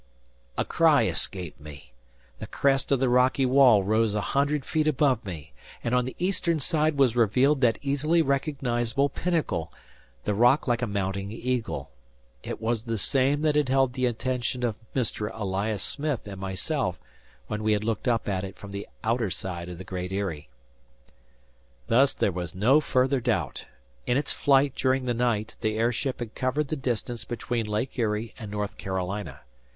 A cry escaped me! The crest of the rocky wall rose a hundred feet above me. And on the eastern side was revealed that easily recognizable pinnacle, the rock like a mounting eagle. It was the same that had held the attention of Mr. Elias Smith and myself, when we had looked up at it from the outer side of the Great Eyrie. Thus there was no further doubt. In its flight during the night the airship had covered the distance between Lake Erie and North Carolina.